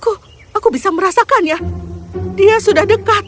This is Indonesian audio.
oh aku bisa merasakannya dia sudah dekat